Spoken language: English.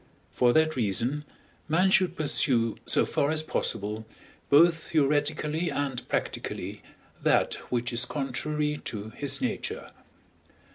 For that reason, man should pursue so far as possible, both theoretically and practically, that which is contrary to his nature.